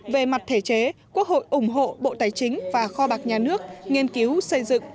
về mặt thể chế quốc hội ủng hộ bộ tài chính và kho bạc nhà nước nghiên cứu xây dựng